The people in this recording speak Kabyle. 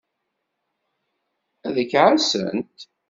Ad k-ɛassent.